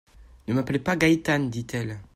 —«Ne m’appelez pas Gaétane,» dit-elle.